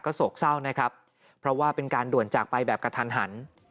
โศกเศร้านะครับเพราะว่าเป็นการด่วนจากไปแบบกระทันหัน